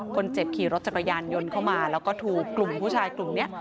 คนเจ็บขี่รถจักรยานยนต์เข้ามาแล้วก็ถูกกลุ่มผู้ชายกลุ่มนี้